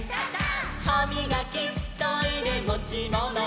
「はみがきトイレもちもの」「」